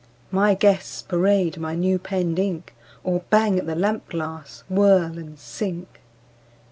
—My guests parade my new penned ink, Or bang at the lamp glass, whirl, and sink.